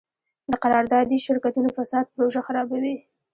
د قراردادي شرکتونو فساد پروژه خرابوي.